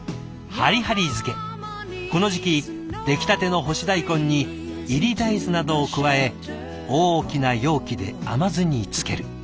この時期出来たての干し大根に煎り大豆などを加え大きな容器で甘酢に漬ける。